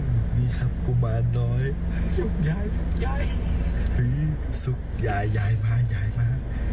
อย่างนี้ครับกูมาน้อยสุขยายสุขยายสุขยายยายมายายมา